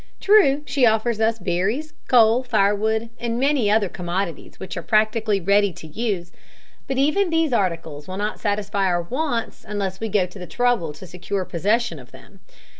True, she offers us berries, coal, firewood, and many other commodities which are practically ready to use, but even these articles will not satisfy our wants unless we go to the trouble to secure possession of them.